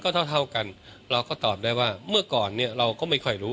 เท่ากันเราก็ตอบได้ว่าเมื่อก่อนเนี่ยเราก็ไม่ค่อยรู้